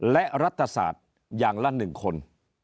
และรัฐศาสตร์อย่างละ๑คน